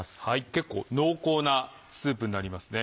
結構濃厚なスープになりますね。